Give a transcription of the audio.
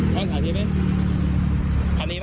ทานนี้ไหมทานนี้ป่ะเออทานนี้เลย